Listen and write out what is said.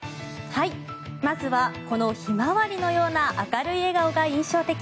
まずは、ヒマワリのような明るい笑顔が印象的。